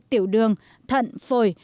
tiểu đường thận phổi